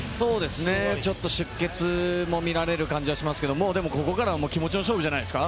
ちょっと出血も見られる感じもしますけどもうでもここからは気持ちの勝負じゃないですか。